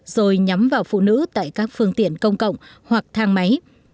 rồi nhắm vào phụ nữ tại các phương tiện công cộng hoặc thang máy